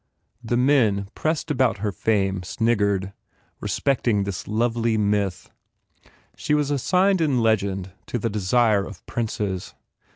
The men pressed about her fame sniggered, respecting this lovely myth. She was assigned in legend to the desire of princes.